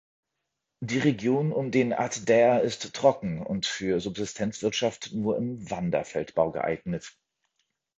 Die Region um den ad-Dair ist trocken und für Subsistenzwirtschaft nur im Wanderfeldbau geeignet.